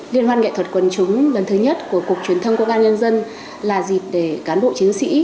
liên hoan nghệ thuật quần chúng lần thứ nhất của cục truyền thông quốc an nhân dân là dịp để cán bộ chiến sĩ